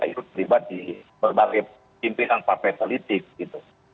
kita juga juga berlibat di berbagai pimpinan partai politik gitu